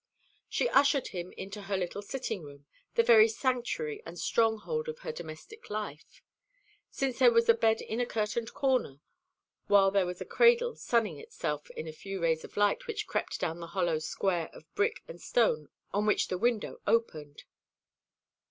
She ushered him into her little sitting room, the very sanctuary and stronghold of her domestic life, since there was a bed in a curtained corner, while there was a cradle sunning itself in the few rays of light which crept down the hollow square of brick and stone on which the window opened.